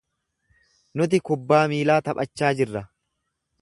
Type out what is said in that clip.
Nuti kubbaa miilaa taphachaa jirra.